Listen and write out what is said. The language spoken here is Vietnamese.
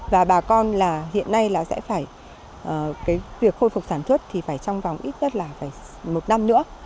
và bà con hiện nay sẽ phải việc khôi phục sản xuất trong vòng ít nhất là một năm nữa